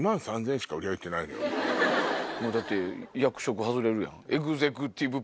だって役職外れるやん。